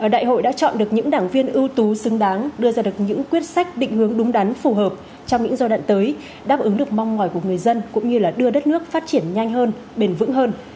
đại hội đã chọn được những đảng viên ưu tú xứng đáng đưa ra được những quyết sách định hướng đúng đắn phù hợp trong những giai đoạn tới đáp ứng được mong mỏi của người dân cũng như đưa đất nước phát triển nhanh hơn bền vững hơn